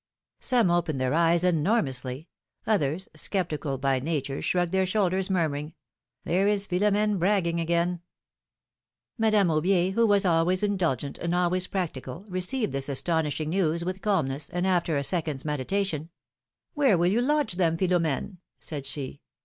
Some opened their eyes enormously; others, skeptical by nature, shrugged their shoulders, murmuring : There is Philom^ne bragging again !" Madame Aubier, who was always indulgent and always practical, received this astonishing news with calmness, and after a second's meditation, ''Where will you lodge them, Philom^ne?" said she.